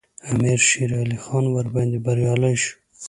امیر شېرعلي خان ورباندې بریالی شو.